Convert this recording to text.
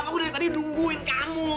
aku dari tadi nungguin kamu